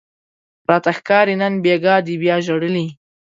راته ښکاري نن بیګاه دې بیا ژړلي